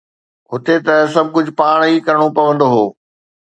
هتي ته سڀ ڪجهه پاڻ ئي ڪرڻو پوندو هو